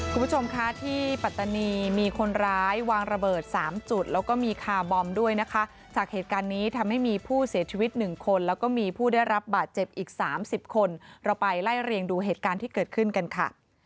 คุณผู้ชมคะที่ปัตตานีมีคนร้ายวางระเบิด๓จุดแล้วก็มีคาร์บอมด้วยนะคะจากเหตุการณ์นี้ทำให้มีผู้เสียชีวิตหนึ่งคนแล้วก็มีผู้ได้รับบาดเจ็บอีกสามสิบคนเราไปไล่เรียงดูเหตุการณ์ที่เกิดขึ้นกันค่ะ